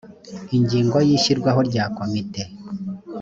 ingingo ya ishyirwaho rya komite